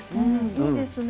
いいですね。